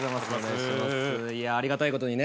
いやありがたいことにね